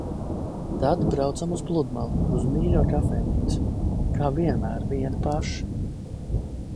Tad braucam uz pludmali, uz mīļo kafejnīcu. Kā vienmēr vieni paši.